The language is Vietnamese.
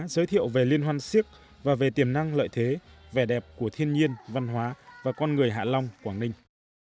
giới thiệu về liên hoan siếc và về tiềm năng lợi thế vẻ đẹp của thiên nhiên văn hóa và con người hạ long quảng ninh